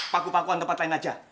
paku pakuan tempat lain aja